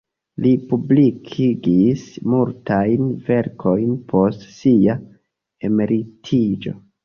Li publikigis multajn verkojn post sia emeritiĝo.